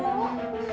harap bener ya